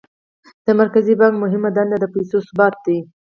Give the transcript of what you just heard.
د مرکزي بانک مهمه دنده د پیسو ثبات دی.